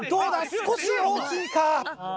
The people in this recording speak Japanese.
少し大きいか。